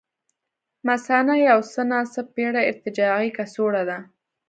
مثانه یو څه ناڅه پېړه ارتجاعي کڅوړه ده.